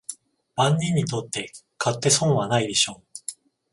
万人にとって買って損はないでしょう